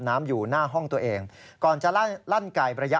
การสำเร็จผม